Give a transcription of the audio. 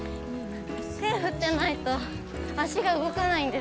手振ってないと足が動かないんで。